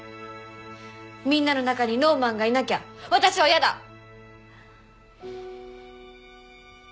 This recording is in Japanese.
みんなの中にノーマンがいなきゃ私はやだ！